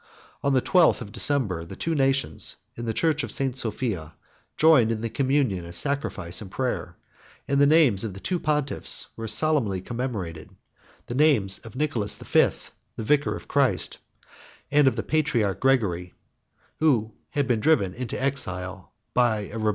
On the twelfth of December, the two nations, in the church of St. Sophia, joined in the communion of sacrifice and prayer; and the names of the two pontiffs were solemnly commemorated; the names of Nicholas the Fifth, the vicar of Christ, and of the patriarch Gregory, who had been driven into exile by a rebellious people.